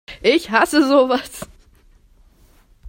Ich hasse sowas!